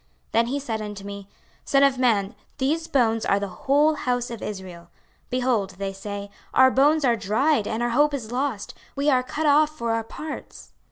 26:037:011 Then he said unto me, Son of man, these bones are the whole house of Israel: behold, they say, Our bones are dried, and our hope is lost: we are cut off for our parts.